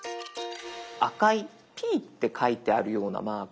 赤い「Ｐ」って書いてあるようなマーク。